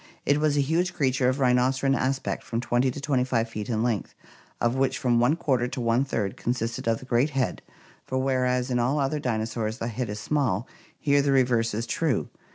It was a huge creature of rhinocerine aspect, from 20 to 25 feet in length, of which from one quarter to one third consisted of the great head, for whereas in all other dinosaurs the head is small, here the reverse is true.